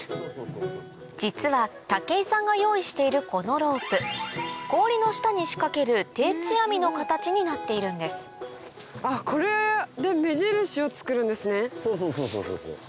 実は武井さんが用意しているこのロープ氷の下に仕掛ける定置網の形になっているんですそうそう。